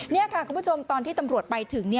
นี่ค่ะคุณผู้ชมตอนที่ตำรวจไปถึง